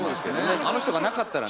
あの人がなかったらね。